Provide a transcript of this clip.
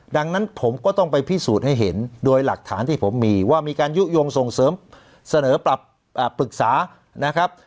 ดังนั้นผมก็ต้องไปพิสูจน์ให้เห็นโดยหลักฐานที่ผมมีว่ามีการยุโยงส่งเสริมเสนอปรับปรึกษานะครับ